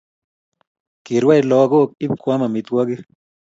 Kirwai lakok ip koam amitwogik